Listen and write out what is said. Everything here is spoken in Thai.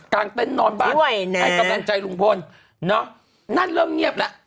เต้นนอนบ้านให้กำลังใจลุงพลเนอะนั่นเริ่มเงียบแล้ว